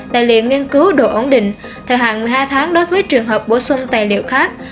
tài liệu nghiên cứu đủ ổn định thời hạn một mươi hai tháng đối với trường hợp bổ sung tài liệu khác